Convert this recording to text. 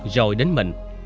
rồi đến mình